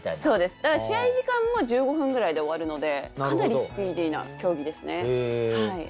だから試合時間も１５分ぐらいで終わるのでかなりスピーディーな競技ですね。